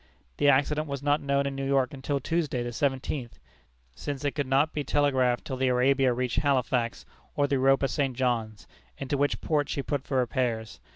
The accident was not known in New York until Tuesday, the seventeenth, since it could not be telegraphed till the Arabia reached Halifax or the Europa St. John's, into which port she put for repairs.